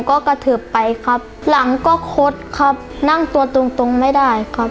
ก็กระทืบไปครับหลังก็คดครับนั่งตัวตรงตรงไม่ได้ครับ